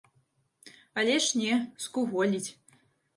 Але ж не, скуголіць.